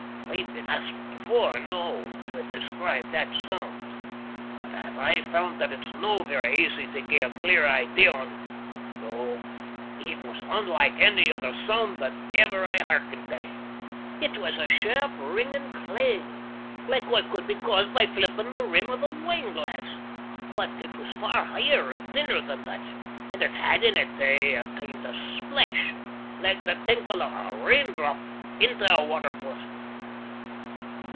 I've been asked afore noo tae describe that soond, but I've aye foond that it's no' vera easy tae gie a clear idea o't, though it was unlike any other soond that ever I hearkened tae. It was a shairp, ringin' clang, like what could be caused by flippin' the rim o' a wineglass, but it was far higher and thinner than that, and had in it, tae, a kind o' splash, like the tinkle o' a rain drop intae a water butt.